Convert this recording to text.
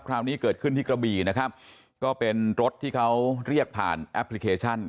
คราวนี้เกิดขึ้นที่กระบี่นะครับก็เป็นรถที่เขาเรียกผ่านแอปพลิเคชัน